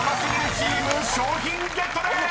チーム賞品ゲットでーす！］